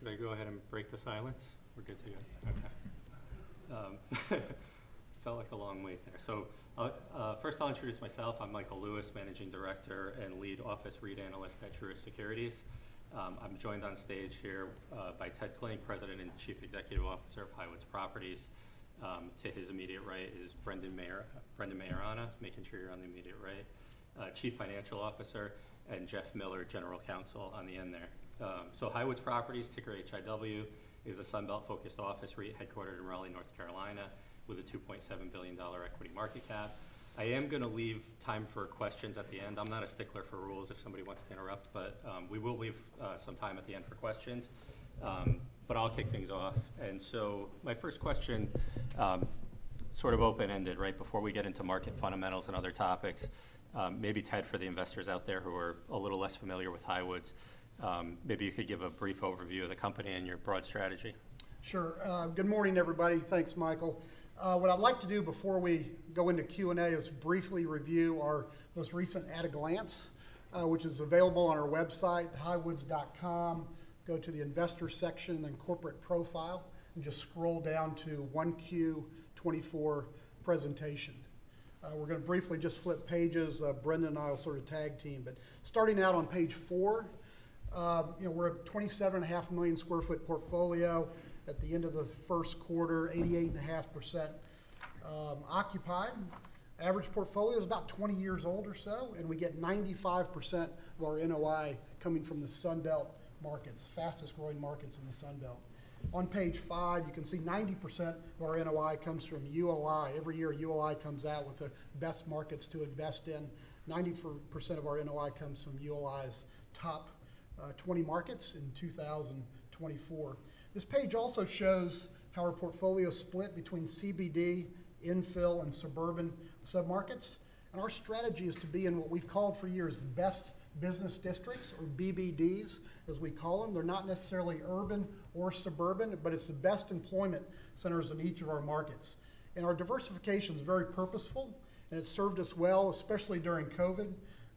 Should I go ahead and break the silence? We're good to go. Okay. Felt like a long wait there. So, first I'll introduce myself. I'm Michael Lewis, Managing Director and Lead Office REIT Analyst at Truist Securities. I'm joined on stage here by Ted Klinck, President and Chief Executive Officer of Highwoods Properties. To his immediate right is Brendan Maiorana, making sure you're on the immediate right, Chief Financial Officer, and Jeff Miller, General Counsel, on the end there. So Highwoods Properties, ticker HIW, is a Sun Belt-focused office REIT, headquartered in Raleigh, North Carolina, with a $2.7 billion equity market cap. I am gonna leave time for questions at the end. I'm not a stickler for rules if somebody wants to interrupt, but we will leave some time at the end for questions. But I'll kick things off. And so my first question, sort of open-ended, right? Before we get into market fundamentals and other topics, maybe, Ted, for the investors out there who are a little less familiar with Highwoods, maybe you could give a brief overview of the company and your broad strategy. Sure. Good morning, everybody. Thanks, Michael. What I'd like to do before we go into Q&A is briefly review our most recent at-a-glance, which is available on our website, highwoods.com. Go to the Investor section, then Corporate Profile, and just scroll down to 1Q 2024 presentation. We're gonna briefly just flip pages. Brendan and I will sort of tag team. But starting out on page 4, you know, we're at 27.5 million sq ft portfolio at the end of the first quarter, 88.5% occupied. Average portfolio is about 20 years old or so, and we get 95% of our NOI coming from the Sun Belt markets, fastest growing markets in the Sun Belt. On page 5, you can see 90% of our NOI comes from ULI. Every year, ULI comes out with the best markets to invest in. 94% of our NOI comes from ULI's top 20 markets in 2024. This page also shows how our portfolio is split between CBD, infill, and suburban submarkets, and our strategy is to be in what we've called for years, the Best Business Districts, or BBDs, as we call them. They're not necessarily urban or suburban, but it's the best employment centers in each of our markets. Our diversification is very purposeful, and it served us well, especially during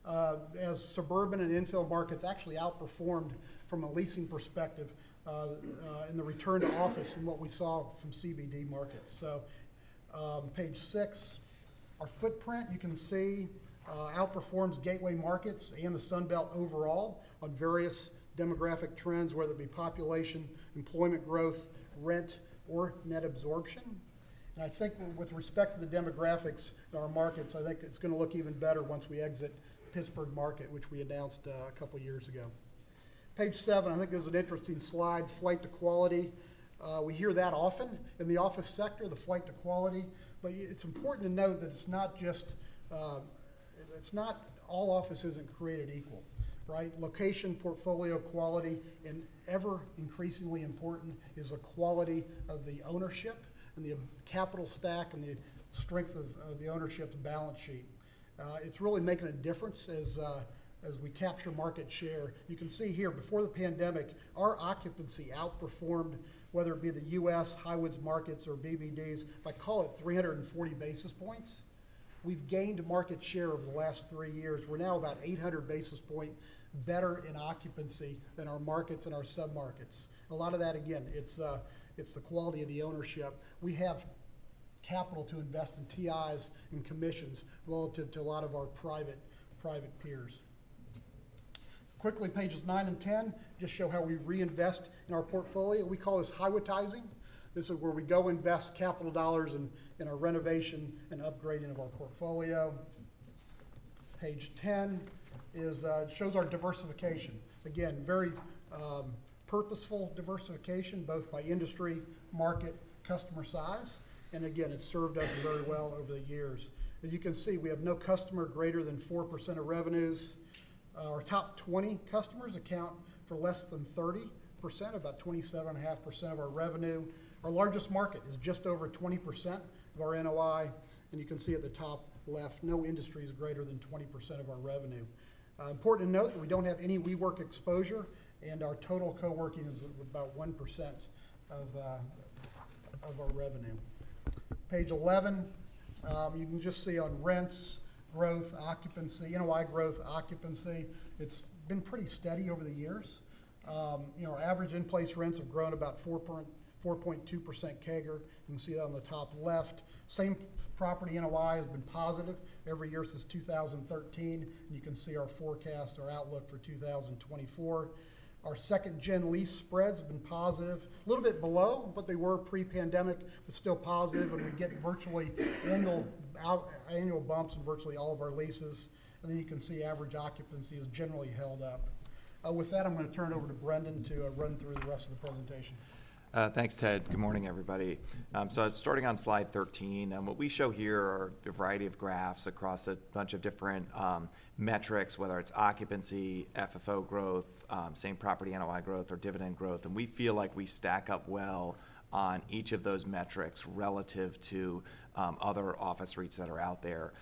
COVID, as suburban and infill markets actually outperformed from a leasing perspective in the return to office than what we saw from CBD markets. So, page 6, our footprint, you can see, outperforms gateway markets and the Sun Belt overall on various demographic trends, whether it be population, employment growth, rent, or net absorption. And I think with respect to the demographics in our markets, I think it's gonna look even better once we exit Pittsburgh market, which we announced, a couple of years ago. Page 7, I think, is an interesting slide, flight to quality. We hear that often in the office sector, the flight to quality. But it's important to note that it's not just. It's not all offices are created equal, right? Location, portfolio, quality, and ever increasingly important is the quality of the ownership and the capital stack and the strength of, the ownership's balance sheet. It's really making a difference as we capture market share. You can see here, before the pandemic, our occupancy outperformed, whether it be the U.S., Highwoods markets, or BBDs, but call it 340 basis points. We've gained market share over the last 3 years. We're now about 800 basis point better in occupancy than our markets and our submarkets. A lot of that, again, it's, it's the quality of the ownership. We have capital to invest in TIs and commissions relative to a lot of our private, private peers. Quickly, pages 9 and 10 just show how we reinvest in our portfolio. We call this Highwoodizing. This is where we go invest capital dollars in, in our renovation and upgrading of our portfolio. Page 10 is, shows our diversification. Again, very, purposeful diversification, both by industry, market, customer size, and again, it's served us very well over the years. As you can see, we have no customer greater than 4% of revenues. Our top 20 customers account for less than 30%, about 27.5% of our revenue. Our largest market is just over 20% of our NOI, and you can see at the top left, no industry is greater than 20% of our revenue. Important to note that we don't have any WeWork exposure, and our total coworking is about 1% of our revenue. Page 11, you can just see on rents, growth, occupancy, NOI growth, occupancy, it's been pretty steady over the years. You know, average in-place rents have grown about 4.2% CAGR. You can see that on the top left. Same property NOI has been positive every year since 2013. You can see our forecast, our outlook for 2024. Our second-gen lease spreads have been positive. A little bit below what they were pre-pandemic, but still positive, and we get virtually annual bumps in virtually all of our leases. And then you can see average occupancy has generally held up. With that, I'm gonna turn it over to Brendan to run through the rest of the presentation. Thanks, Ted. Good morning, everybody. So starting on slide 13, and what we show here are a variety of graphs across a bunch of different metrics, whether it's occupancy, FFO growth, same property NOI growth, or dividend growth, and we feel like we stack up well on each of those metrics relative to other office REITs that are out there.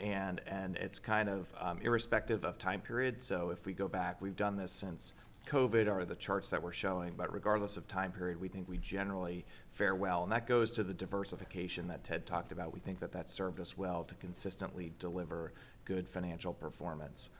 And it's kind of irrespective of time period. So if we go back, we've done this since COVID, are the charts that we're showing, but regardless of time period, we think we generally fare well, and that goes to the diversification that Ted talked about. We think that that served us well to consistently deliver good financial performance....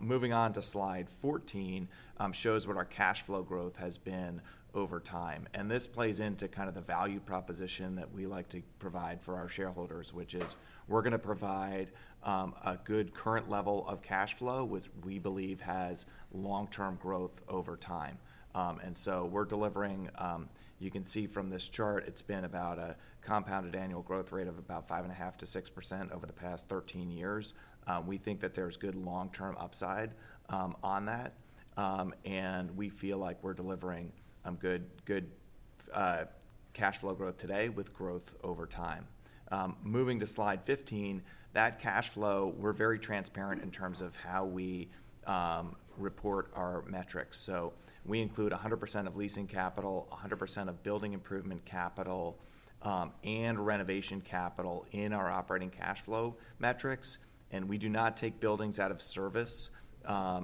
Moving on to slide 14, shows what our cash flow growth has been over time, and this plays into kind of the value proposition that we like to provide for our shareholders, which is we're going to provide, a good current level of cash flow, which we believe has long-term growth over time. And so we're delivering, you can see from this chart, it's been about a compounded annual growth rate of about 5.5%-6% over the past 13 years. We think that there's good long-term upside, on that. And we feel like we're delivering, good, good, cash flow growth today with growth over time. Moving to slide 15, that cash flow, we're very transparent in terms of how we, report our metrics. So we include 100% of leasing capital, 100% of building improvement capital, and renovation capital in our operating cash flow metrics. And we do not take buildings out of service,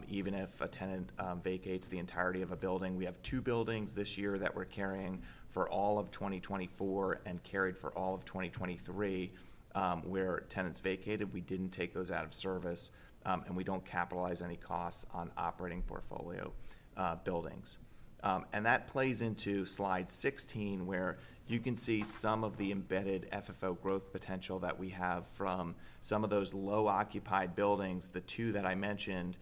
even if a tenant vacates the entirety of a building. We have 2 buildings this year that we're carrying for all of 2024 and carried for all of 2023, where tenants vacated. We didn't take those out of service, and we don't capitalize any costs on operating portfolio buildings. And that plays into slide 16, where you can see some of the embedded FFO growth potential that we have from some of those low-occupied buildings. The two that I mentioned,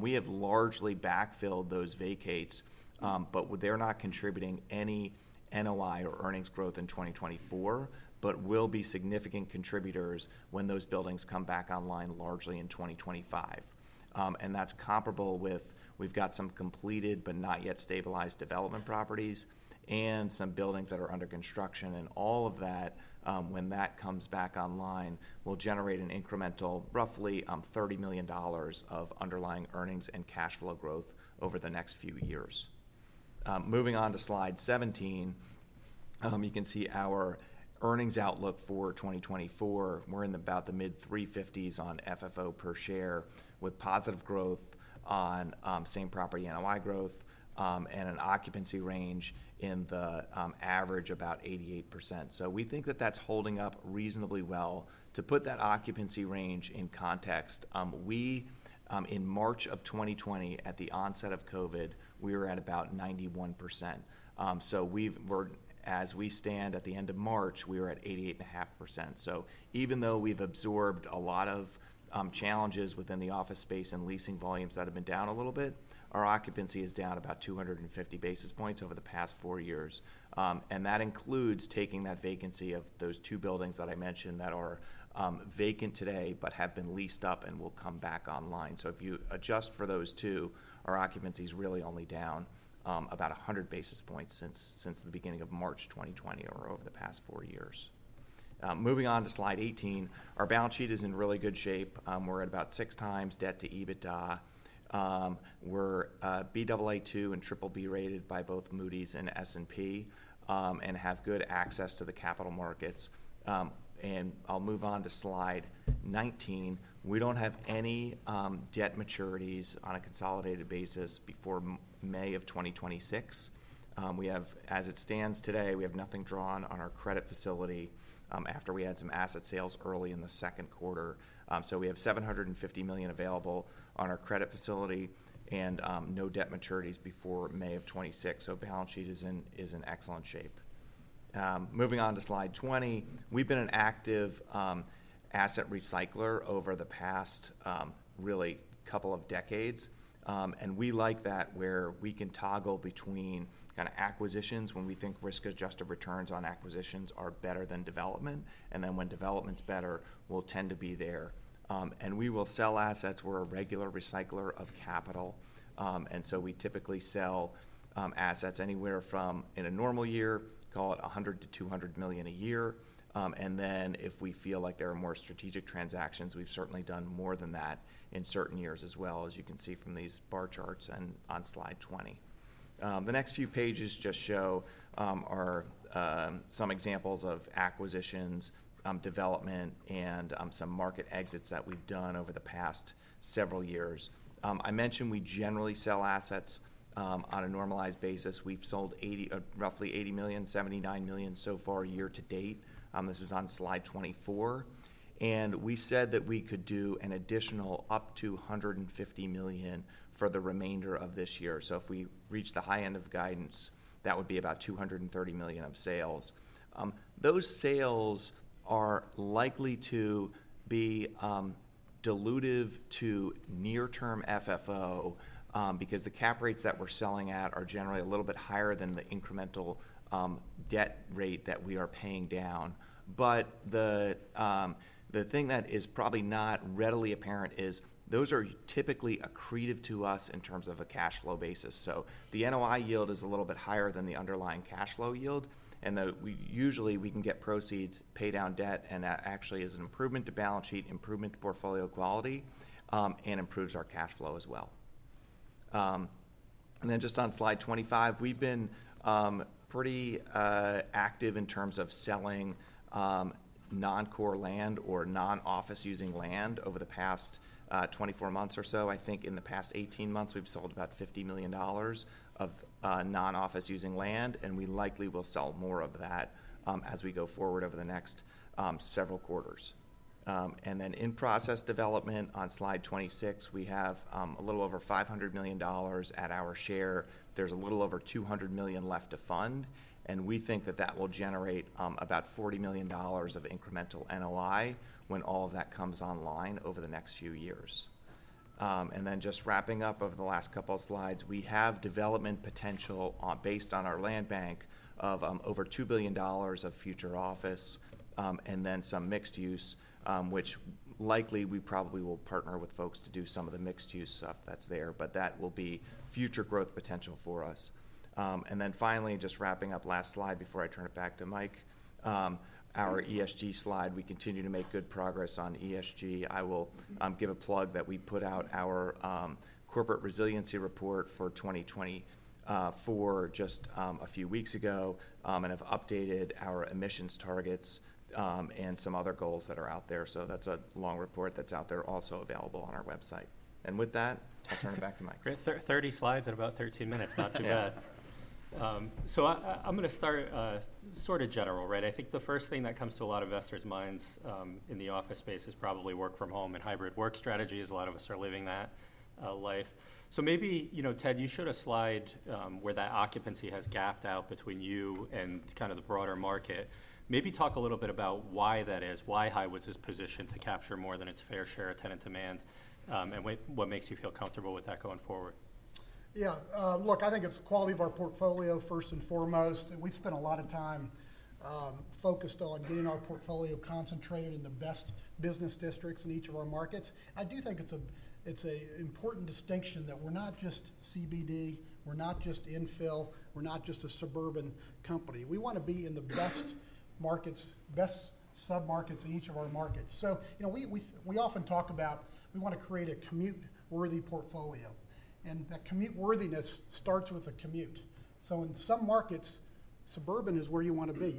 we have largely backfilled those vacancies, but they're not contributing any NOI or earnings growth in 2024, but will be significant contributors when those buildings come back online, largely in 2025. And that's comparable with, we've got some completed but not yet stabilized development properties and some buildings that are under construction. And all of that, when that comes back online, will generate an incremental, roughly, $30 million of underlying earnings and cash flow growth over the next few years. Moving on to slide 17, you can see our earnings outlook for 2024. We're in about the mid-350s on FFO per share, with positive growth on same-property NOI growth, and an occupancy range in the average about 88%. So we think that that's holding up reasonably well. To put that occupancy range in context, in March 2020, at the onset of COVID, we were at about 91%. So we're, as we stand at the end of March, we are at 88.5%. So even though we've absorbed a lot of challenges within the office space and leasing volumes that have been down a little bit, our occupancy is down about 250 basis points over the past four years. And that includes taking that vacancy of those two buildings that I mentioned that are vacant today but have been leased up and will come back online. So if you adjust for those two, our occupancy is really only down about 100 basis points since the beginning of March 2020 or over the past four years. Moving on to slide 18, our balance sheet is in really good shape. We're at about 6x debt to EBITDA. We're Baa2 and BBB rated by both Moody's and S&P, and have good access to the capital markets. I'll move on to slide 19. We don't have any debt maturities on a consolidated basis before May 2026. We have, as it stands today, we have nothing drawn on our credit facility, after we had some asset sales early in the second quarter. So we have $750 million available on our credit facility and no debt maturities before May 2026. So balance sheet is in excellent shape. Moving on to slide 20. We've been an active asset recycler over the past really couple of decades. And we like that, where we can toggle between kinda acquisitions when we think risk-adjusted returns on acquisitions are better than development, and then when development's better, we'll tend to be there. And we will sell assets. We're a regular recycler of capital, and so we typically sell assets anywhere from, in a normal year, call it $100 million-$200 million a year. And then if we feel like there are more strategic transactions, we've certainly done more than that in certain years as well, as you can see from these bar charts and on slide 20. The next few pages just show some examples of acquisitions, development, and some market exits that we've done over the past several years. I mentioned we generally sell assets on a normalized basis. We've sold eighty, roughly $80 million, $79 million so far year to date. This is on slide 24. We said that we could do an additional up to $150 million for the remainder of this year. So if we reach the high end of guidance, that would be about $230 million of sales. Those sales are likely to be, dilutive to near-term FFO, because the cap rates that we're selling at are generally a little bit higher than the incremental, debt rate that we are paying down. But the, the thing that is probably not readily apparent is those are typically accretive to us in terms of a cash flow basis. So the NOI yield is a little bit higher than the underlying cash flow yield, and we usually can get proceeds, pay down debt, and that actually is an improvement to balance sheet, improvement to portfolio quality, and improves our cash flow as well. And then just on slide 25, we've been pretty active in terms of selling non-core land or non-office using land over the past 24 months or so. I think in the past 18 months, we've sold about $50 million of non-office using land, and we likely will sell more of that as we go forward over the next several quarters. And then in process development on slide 26, we have a little over $500 million at our share. There's a little over $200 million left to fund, and we think that that will generate about $40 million of incremental NOI when all of that comes online over the next few years. And then just wrapping up over the last couple of slides, we have development potential based on our land bank of over $2 billion of future office, and then some mixed use, which likely we probably will partner with folks to do some of the mixed-use stuff that's there, but that will be future growth potential for us. And then finally, just wrapping up last slide before I turn it back to Mike, our ESG slide, we continue to make good progress on ESG. I will give a plug that we put out our corporate resiliency report for 2024 just a few weeks ago, and have updated our emissions targets and some other goals that are out there. So that's a long report that's out there, also available on our website. And with that, I'll turn it back to Mike. Great. 30 slides in about 13 minutes. Not too bad. Yeah. So I'm gonna start sort of general, right? I think the first thing that comes to a lot of investors' minds in the office space is probably work from home and hybrid work strategies. A lot of us are living that life. So maybe, you know, Ted, you showed a slide where that occupancy has gapped out between you and kind of the broader market. Maybe talk a little bit about why that is, why Highwoods is positioned to capture more than its fair share of tenant demand, and what makes you feel comfortable with that going forward? Yeah. Look, I think it's the quality of our portfolio first and foremost. We've spent a lot of time focused on getting our portfolio concentrated in the best business districts in each of our markets. I do think it's a, it's a important distinction that we're not just CBD, we're not just infill, we're not just a suburban company. We want to be in the best markets, best submarkets in each of our markets. So, you know, we often talk about we want to create a commute-worthy portfolio, and that commute worthiness starts with a commute. So in some markets, suburban is where you want to be.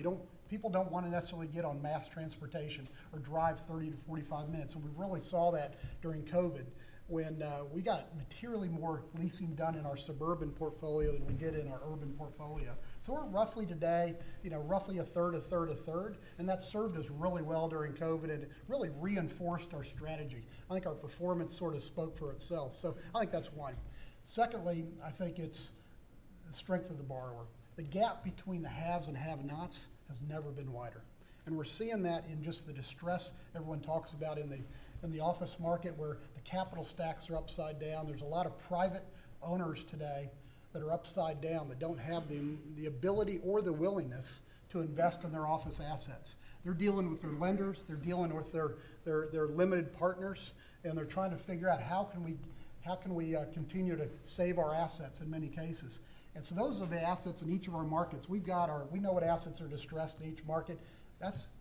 People don't want to necessarily get on mass transportation or drive 30-45 minutes, and we really saw that during COVID, when we got materially more leasing done in our suburban portfolio than we did in our urban portfolio. So we're roughly today, you know, roughly a third, a third, a third, and that served us really well during COVID and really reinforced our strategy. I think our performance sort of spoke for itself, so I think that's one. Secondly, I think it's the strength of the borrower. The gap between the haves and have-nots has never been wider, and we're seeing that in just the distress everyone talks about in the office market, where the capital stacks are upside down. There's a lot of private owners today that are upside down, that don't have the ability or the willingness to invest in their office assets. They're dealing with their lenders, they're dealing with their limited partners, and they're trying to figure out, "How can we, how can we, continue to save our assets?" in many cases. Those are the assets in each of our markets. We know what assets are distressed in each market.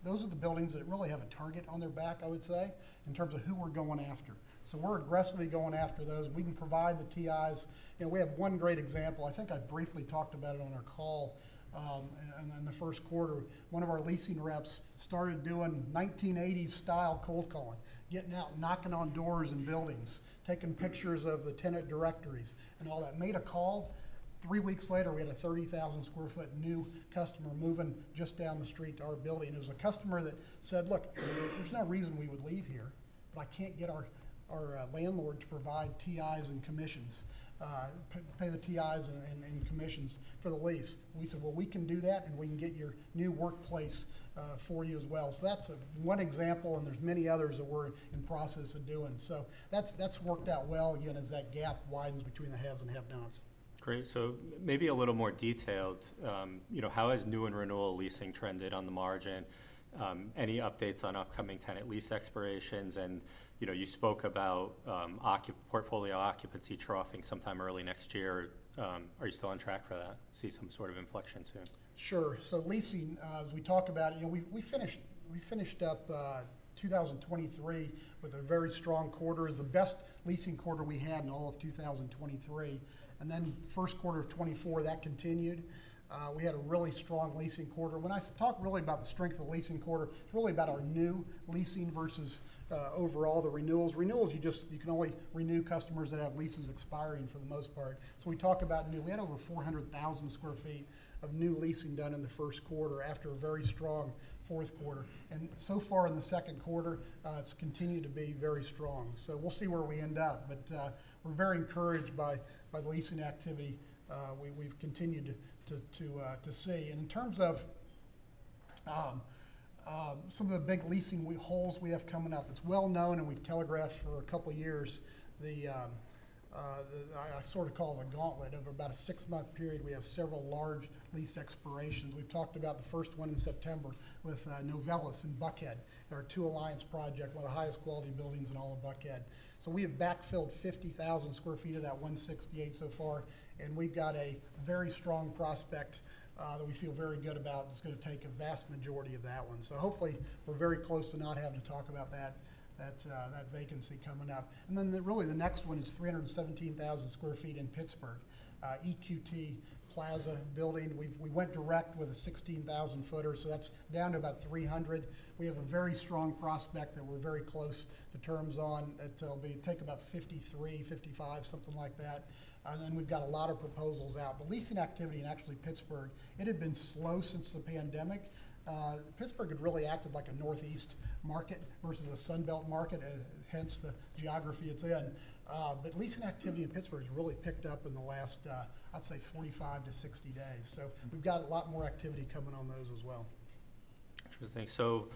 Those are the buildings that really have a target on their back, I would say, in terms of who we're going after. So we're aggressively going after those. We can provide the TIs. You know, we have one great example. I think I briefly talked about it on our call in the first quarter. One of our leasing reps started doing 1980s-style cold calling, getting out, knocking on doors in buildings, taking pictures of the tenant directories and all that. Made a call, three weeks later, we had a 30,000-sq-ft new customer moving just down the street to our building. It was a customer that said, "Look, there's no reason we would leave here, but I can't get our landlord to provide TIs and commissions, pay the TIs and commissions for the lease." We said, "Well, we can do that, and we can get your new workplace for you as well." So that's one example, and there's many others that we're in process of doing. So that's worked out well, again, as that gap widens between the haves and have-nots. Great. So maybe a little more detailed, you know, how has new and renewal leasing trended on the margin? Any updates on upcoming tenant lease expirations? And, you know, you spoke about, portfolio occupancy troughing sometime early next year. Are you still on track for that? See some sort of inflection soon. Sure. So leasing, as we talked about, you know, we finished up 2023 with a very strong quarter. It's the best leasing quarter we had in all of 2023, and then first quarter of 2024, that continued. We had a really strong leasing quarter. When I talk really about the strength of the leasing quarter, it's really about our new leasing versus overall the renewals. Renewals, you just you can only renew customers that have leases expiring for the most part. So we talked about new. We had over 400,000 sq ft of new leasing done in the first quarter after a very strong fourth quarter, and so far in the second quarter, it's continued to be very strong. So we'll see where we end up, but we're very encouraged by the leasing activity we've continued to see. And in terms of some of the big leasing holes we have coming up, it's well known, and we've telegraphed for a couple of years. I sort of call it a gauntlet. Over about a six-month period, we have several large lease expirations. We've talked about the first one in September with Novelis in Buckhead. They're at the Two Alliance project, one of the highest quality buildings in all of Buckhead. So we have backfilled 50,000 sq ft of that 168,000 so far, and we've got a very strong prospect that we feel very good about, that's gonna take a vast majority of that one. So hopefully, we're very close to not having to talk about that vacancy coming up. And then really, the next one is 317,000 sq ft in Pittsburgh, EQT Plaza building. We've... We went direct with a 16,000-footer, so that's down to about 300. We have a very strong prospect that we're very close to terms on. It'll be take about 53-55, something like that, then we've got a lot of proposals out. The leasing activity in actually, Pittsburgh, it had been slow since the pandemic. Pittsburgh had really acted like a Northeast market versus a Sun Belt market, hence the geography it's in. But leasing activity in Pittsburgh has really picked up in the last, I'd say 45-60 days. We've got a lot more activity coming on those as well.... Interesting. So,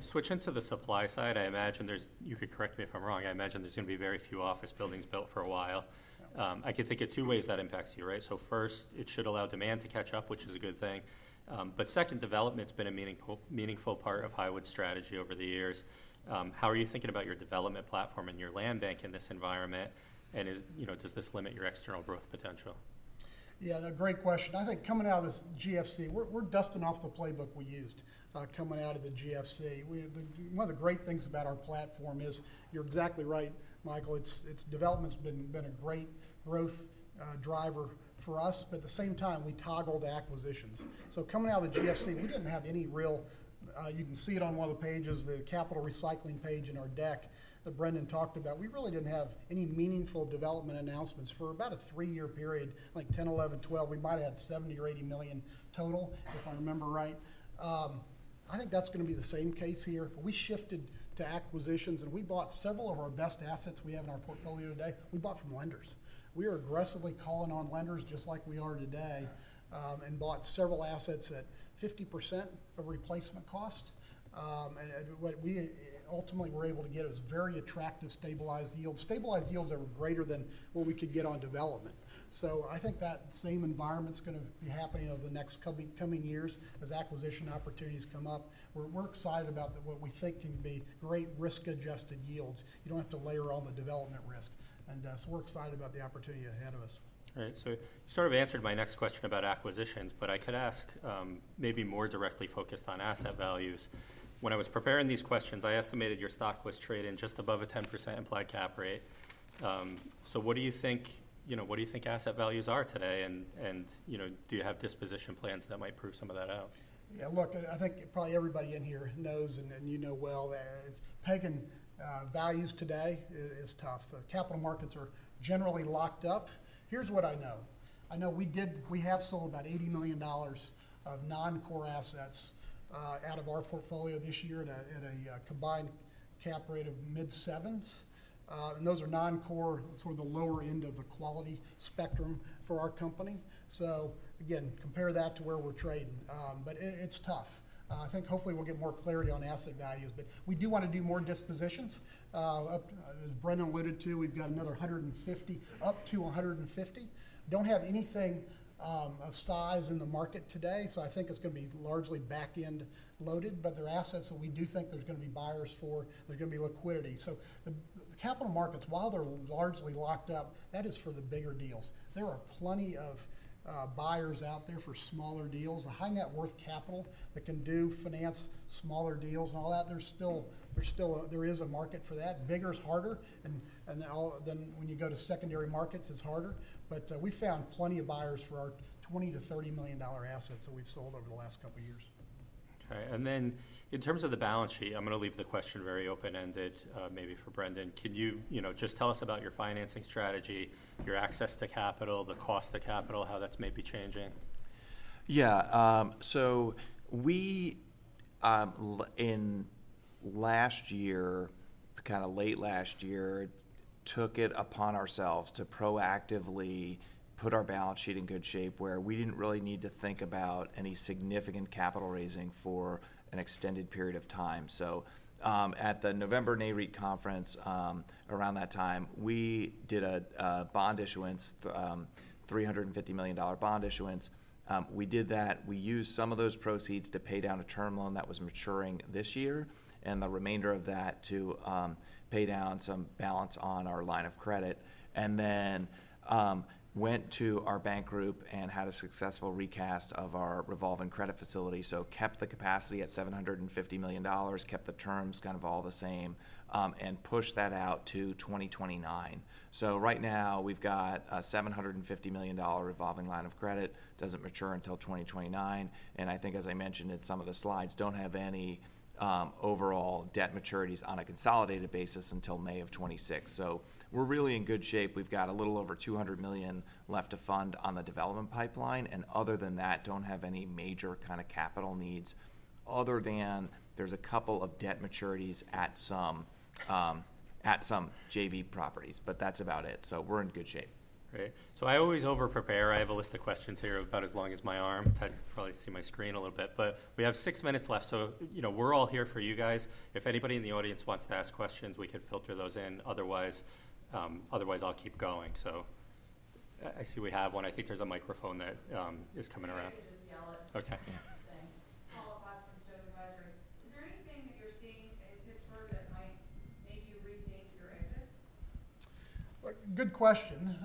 switching to the supply side, I imagine there's. You could correct me if I'm wrong, I imagine there's going to be very few office buildings built for a while. I can think of two ways that impacts you, right? So first, it should allow demand to catch up, which is a good thing. But second, development's been a meaningful part of Highwoods' strategy over the years. How are you thinking about your development platform and your land bank in this environment? And, you know, does this limit your external growth potential? Yeah, a great question. I think coming out of this GFC, we're, we're dusting off the playbook we used coming out of the GFC. One of the great things about our platform is, you're exactly right, Michael, it's, it's development's been, been a great growth driver for us, but at the same time, we toggle to acquisitions. So coming out of the GFC, we didn't have any real... You can see it on one of the pages, the capital recycling page in our deck that Brendan talked about. We really didn't have any meaningful development announcements for about a three-year period, like 10, 11, 12. We might have had $70 million-$80 million total, if I remember right. I think that's going to be the same case here. We shifted to acquisitions, and we bought several of our best assets we have in our portfolio today, we bought from lenders. We are aggressively calling on lenders just like we are today, and bought several assets at 50% of replacement cost. What we ultimately were able to get was very attractive, stabilized yields. Stabilized yields that were greater than what we could get on development. So I think that same environment's gonna be happening over the next coming years as acquisition opportunities come up. We're excited about the what we think can be great risk-adjusted yields. You don't have to layer all the development risk, and so we're excited about the opportunity ahead of us. All right. So you sort of answered my next question about acquisitions, but I could ask, maybe more directly focused on asset values. When I was preparing these questions, I estimated your stock was trading just above a 10% implied cap rate. So what do you think, you know, what do you think asset values are today? And, you know, do you have disposition plans that might prove some of that out? Yeah, look, I think probably everybody in here knows, and you know well that pegging values today is tough. The capital markets are generally locked up. Here's what I know. I know we have sold about $80 million of non-core assets out of our portfolio this year at a combined cap rate of mid-sevens. And those are non-core, sort of the lower end of the quality spectrum for our company. So again, compare that to where we're trading. But it's tough. I think hopefully we'll get more clarity on asset values, but we do want to do more dispositions. As Brendan alluded to, we've got another $150 million, up to $150 million. Don't have anything of size in the market today, so I think it's going to be largely back-end loaded, but they're assets that we do think there's going to be buyers for. There's going to be liquidity. So the, the capital markets, while they're largely locked up, that is for the bigger deals. There are plenty of buyers out there for smaller deals. The high net worth capital that can do finance, smaller deals, and all that, there's still, there's still there is a market for that. Bigger is harder, and then when you go to secondary markets, it's harder. But, we found plenty of buyers for our $20-$30 million assets that we've sold over the last couple of years. Okay. And then, in terms of the balance sheet, I'm going to leave the question very open-ended, maybe for Brendan. Can you, you know, just tell us about your financing strategy, your access to capital, the cost of capital, how that's maybe changing? Yeah, so we, in last year, kind of late last year, took it upon ourselves to proactively put our balance sheet in good shape, where we didn't really need to think about any significant capital raising for an extended period of time. So, at the November NAREIT conference, around that time, we did a, a bond issuance, $350 million bond issuance. We did that. We used some of those proceeds to pay down a term loan that was maturing this year, and the remainder of that to, pay down some balance on our line of credit. And then, went to our bank group and had a successful recast of our revolving credit facility. So kept the capacity at $750 million, kept the terms kind of all the same, and pushed that out to 2029. So right now, we've got a $750 million revolving line of credit, doesn't mature until 2029, and I think, as I mentioned in some of the slides, don't have any, overall debt maturities on a consolidated basis until May of 2026. So we're really in good shape. We've got a little over $200 million left to fund on the development pipeline, and other than that, don't have any major kind of capital needs, other than there's a couple of debt maturities at some JV properties, but that's about it. So we're in good shape. Great. So I always over-prepare. I have a list of questions here about as long as my arm. You can probably see my screen a little bit, but we have six minutes left, so, you know, we're all here for you guys. If anybody in the audience wants to ask questions, we can filter those in. Otherwise, otherwise, I'll keep going. So I see we have one. I think there's a microphone that is coming around. You can just yell it. Okay. Thanks. Paula Pasquin, StoneX Advisory. Is there anything that you're seeing in Pittsburgh that might make you rethink your exit? Look, good question.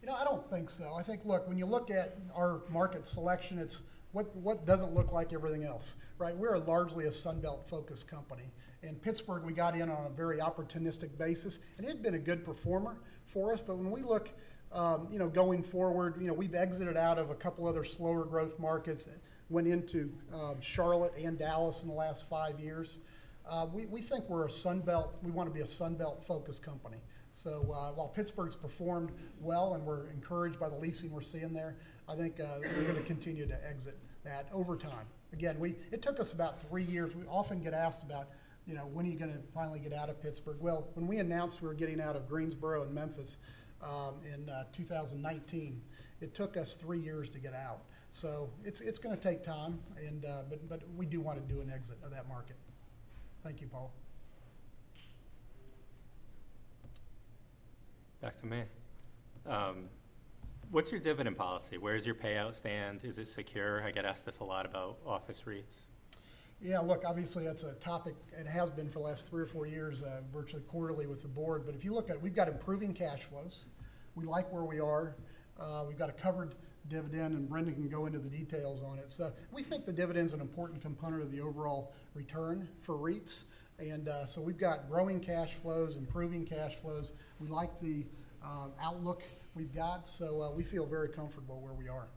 You know, I don't think so. I think, look, when you look at our market selection, it's what, what doesn't look like everything else, right? We're largely a Sun Belt-focused company. In Pittsburgh, we got in on a very opportunistic basis, and it had been a good performer for us. But when we look, you know, going forward, you know, we've exited out of a couple other slower growth markets, went into Charlotte and Dallas in the last five years. We think we're a Sun Belt—we want to be a Sun Belt-focused company. So, while Pittsburgh's performed well, and we're encouraged by the leasing we're seeing there, I think, we're going to continue to exit that over time. Again, we... It took us about three years. We often get asked about, you know, "When are you going to finally get out of Pittsburgh?" Well, when we announced we were getting out of Greensboro and Memphis, in 2019, it took us three years to get out. So it's, it's gonna take time, and, but, but we do want to do an exit of that market. Thank you, Paula.... Back to me. What's your dividend policy? Where does your payout stand? Is it secure? I get asked this a lot about office REITs. Yeah, look, obviously, that's a topic, and has been for the last three or four years, virtually quarterly with the board. But if you look at—we've got improving cash flows. We like where we are. We've got a covered dividend, and Brendan can go into the details on it. So we think the dividend is an important component of the overall return for REITs, and so we've got growing cash flows, improving cash flows. We like the outlook we've got, so we feel very comfortable where we are.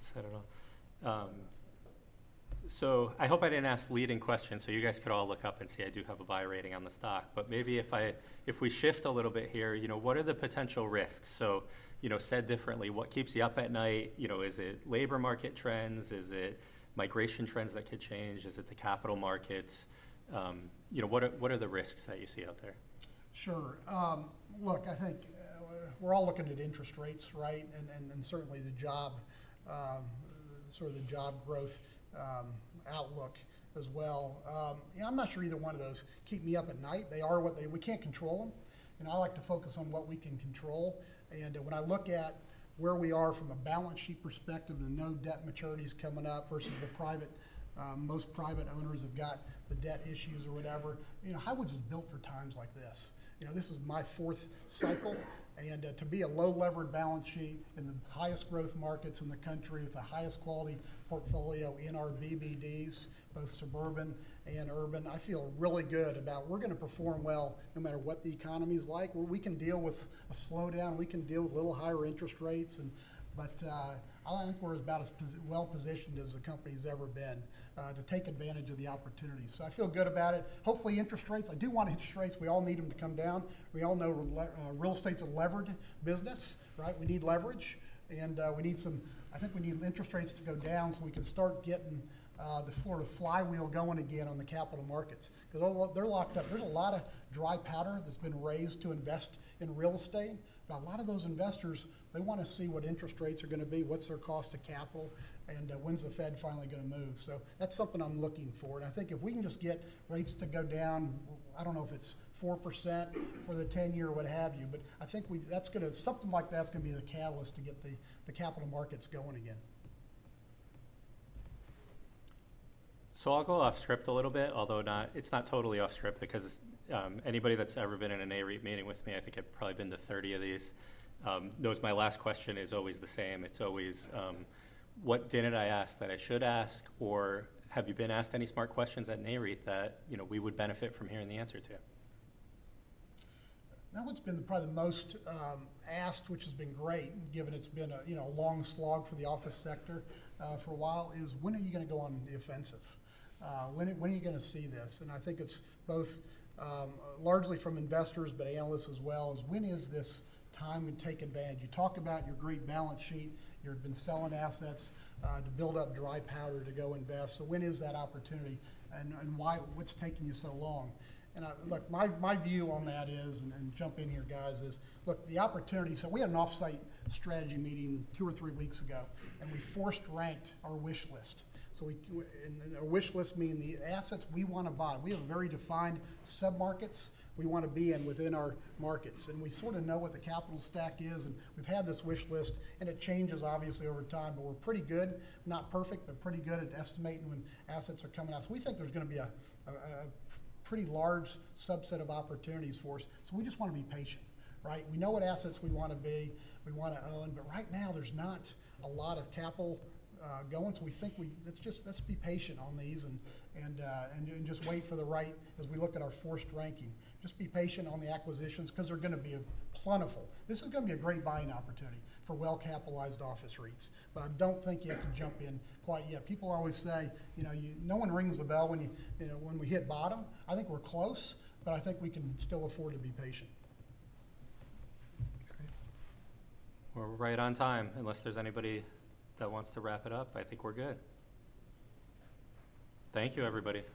Set it off. So I hope I didn't ask leading questions, so you guys could all look up and see I do have a buy rating on the stock. But maybe if we shift a little bit here, you know, what are the potential risks? So, you know, said differently, what keeps you up at night? You know, is it labor market trends? Is it migration trends that could change? Is it the capital markets? You know, what are the risks that you see out there? Sure. Look, I think, we're all looking at interest rates, right? And certainly the job, sort of the job growth, outlook as well. Yeah, I'm not sure either one of those keep me up at night. They are what they... We can't control them, and I like to focus on what we can control. And when I look at where we are from a balance sheet perspective, there are no debt maturities coming up versus the private, most private owners have got the debt issues or whatever. You know, Highwoods is built for times like this. You know, this is my fourth cycle, and, to be a low-levered balance sheet in the highest growth markets in the country with the highest quality portfolio in our BBDs, both suburban and urban, I feel really good about... We're gonna perform well, no matter what the economy is like. We can deal with a slowdown. We can deal with a little higher interest rates and, but, I think we're about as well-positioned as the company's ever been, to take advantage of the opportunities. So I feel good about it. Hopefully, interest rates, I do want interest rates. We all need them to come down. We all know real estate's a levered business, right? We need leverage, and, we need interest rates to go down so we can start getting the Florida flywheel going again on the capital markets, 'cause all they're locked up. There's a lot of dry powder that's been raised to invest in real estate, but a lot of those investors, they wanna see what interest rates are gonna be, what's their cost to capital, and when's the Fed finally gonna move? So that's something I'm looking for, and I think if we can just get rates to go down, I don't know if it's 4% for the 10-year, what have you, but I think something like that's gonna be the catalyst to get the capital markets going again. So I'll go off script a little bit, although not. It's not totally off script because anybody that's ever been in an NAREIT meeting with me, I think I've probably been to 30 of these, knows my last question is always the same. It's always, what didn't I ask that I should ask, or have you been asked any smart questions at NAREIT that, you know, we would benefit from hearing the answer to? That one's been probably the most asked, which has been great, given it's been a, you know, a long slog for the office sector, for a while, is: When are you gonna go on the offensive? When are you gonna see this? And I think it's both, largely from investors, but analysts as well, is, "When is this time and take advantage? You talk about your great balance sheet. You've been selling assets, to build up dry powder to go invest. So when is that opportunity, and why, what's taking you so long?" Look, my view on that is, and jump in here, guys, is, look, the opportunity. So we had an off-site strategy meeting two or three weeks ago, and we force ranked our wish list. So, a wish list means the assets we wanna buy. We have very defined submarkets we wanna be in within our markets, and we sorta know what the capital stack is, and we've had this wish list, and it changes, obviously, over time, but we're pretty good. Not perfect, but pretty good at estimating when assets are coming out. So we think there's gonna be a pretty large subset of opportunities for us. So we just wanna be patient, right? We know what assets we wanna own, but right now there's not a lot of capital going. So we think, let's just be patient on these and just wait for the right as we look at our forced ranking. Just be patient on the acquisitions 'cause they're gonna be plentiful. This is gonna be a great buying opportunity for well-capitalized office REITs, but I don't think you have to jump in quite yet. People always say, you know, "No one rings a bell when you, you know, when we hit bottom." I think we're close, but I think we can still afford to be patient. Great. We're right on time, unless there's anybody that wants to wrap it up. I think we're good. Thank you, everybody.